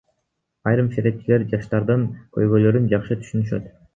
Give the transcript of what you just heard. Айрым серепчилер жаштардын көйгөйлөрүн жакшы түшүнүшөт.